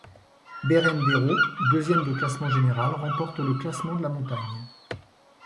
Berrendero, deuxième de classement général, remporte le classement de la montagne.